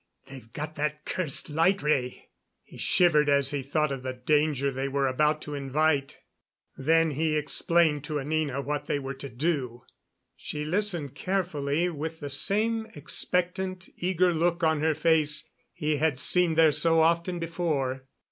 They've got that cursed light ray." He shivered as he thought of the danger they were about to invite. Then he explained to Anina what they were to do. She listened carefully, with the same expectant, eager look on her face he had seen there so often before.